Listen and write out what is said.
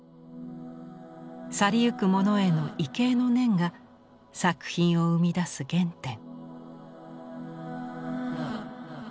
去りゆくモノへの畏敬の念が作品を生み出す原点。